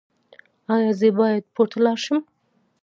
ایا زه باید پورته لاړ شم؟